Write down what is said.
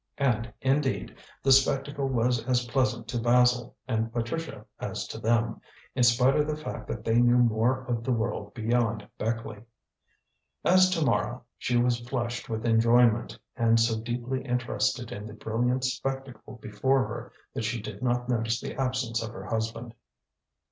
And, indeed, the spectacle was as pleasant to Basil and Patricia as to them, in spite of the fact that they knew more of the world beyond Beckleigh. As to Mara, she was flushed with enjoyment and so deeply interested in the brilliant spectacle before her that she did not notice the absence of her husband.